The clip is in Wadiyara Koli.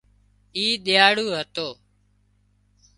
اي ۮياۯو هتو